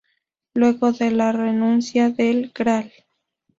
Luego de la renuncia del Gral.